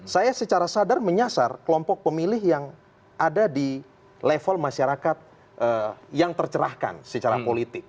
saya secara sadar menyasar kelompok pemilih yang ada di level masyarakat yang tercerahkan secara politik